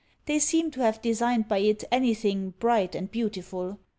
They seem to have designed by it anything BRIGHT and BEAUTIFUL.